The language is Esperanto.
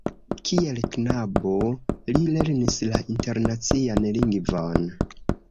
Kiel knabo li lernis la internacian lingvon.